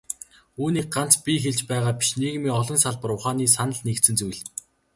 Үүнийг ганц би хэлж байгаа биш, нийгмийн олон салбар ухааны санал нэгдсэн зүйл.